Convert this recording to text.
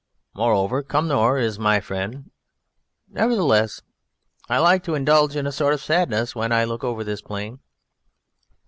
Moreover, Cumnor is my friend. Nevertheless, I like to indulge in a sort of sadness when I look over this plain."